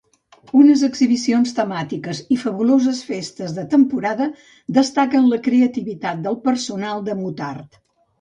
Unes exhibicions temàtiques i fabuloses festes de temporada destaquen la creativitat del personal de Muttart.